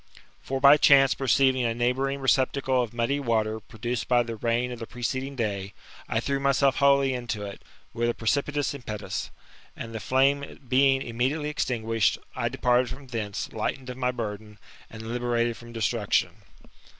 For by chance perceiving a neighbouring receptacle of muddy water produced by the rain of the preceding day, I threw myself wholly into it^ with a precipitous impetus ; and the flame bein^ immediately extinguished, I departed from thence, lightened df my burden, and liberated from destruction.